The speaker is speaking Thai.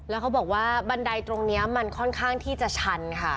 แล้วเขาบอกว่าบันไดตรงนี้มันค่อนข้างที่จะชันค่ะ